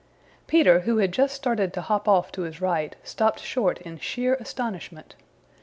Peter, who had just started to hop off to his right, stopped short in sheer astonishment.